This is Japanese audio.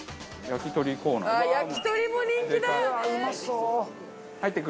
焼き鳥も人気だよね！